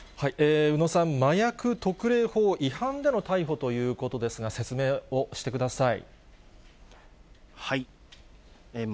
宇野さん、麻薬特例法違反での逮捕ということですが、説明をしてください。